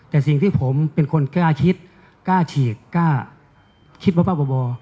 แต่สิ่งที่ผมเป็นคนกล้าคิดกล้าฉีกกล้าคิดว่าบ้าบ่อ